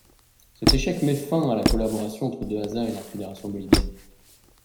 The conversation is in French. Cet échec met fin à la collaboration entre Dehaza et la fédération bolivienne.